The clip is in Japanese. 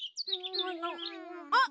あっ！